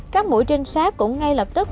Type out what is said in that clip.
các mũi trinh sát cũng ngay lập tức